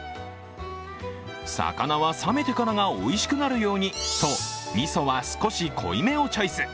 魚は冷めてからがおいしくなるようにと、みそは少し濃いめをチョイス。